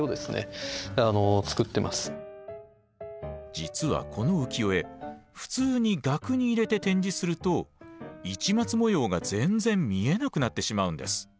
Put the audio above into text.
実はこの浮世絵普通に額に入れて展示すると市松模様が全然見えなくなってしまうんです。